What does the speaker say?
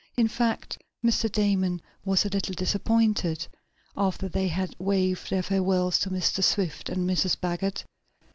In fact Mr. Damon was a little disappointed after they had waved their farewells to Mr. Swift and Mrs. Baggert.